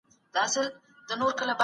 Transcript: سيندونه د درو په منځ کې بهيږي.